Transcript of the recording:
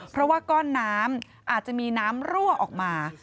เพราะว่าก้อนน้ำอาจจะมีน้ำรั่วออกมา